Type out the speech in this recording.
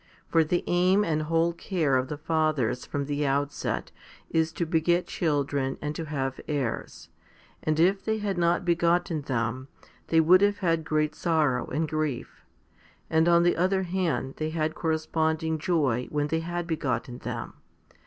For the aim and whole care of the fathers from the outset is to beget children and to have heirs, and if they had not begotten them, they would have had great sorrow and grief, and on the other hand they had corre sponding joy when they had begotten them.